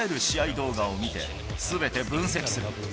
動画を見て、すべて分析する。